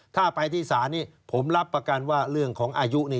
ถ้าไปที่ศาลนี้ผมรับประกันว่าเรื่องของอายุนี่